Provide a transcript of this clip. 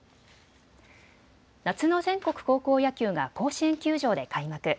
夏の全国高校野球が甲子園球場で開幕。